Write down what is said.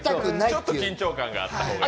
ちょっと緊張感があった方がいい。